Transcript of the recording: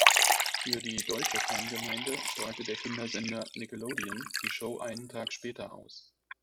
Für die deutsche Fangemeinde strahlte der Kindersender Nickelodeon die Show einen Tag später aus.